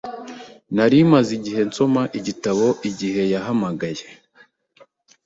Nari maze igihe nsoma igitabo igihe yahamagaye.